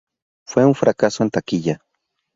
Fue un fracaso en taquilla.